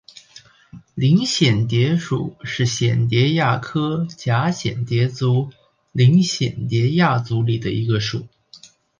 林蚬蝶属是蚬蝶亚科蛱蚬蝶族林蚬蝶亚族里的一个属。